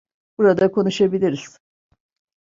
Burada konuşabiliriz.